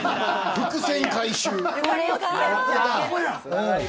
伏線回収。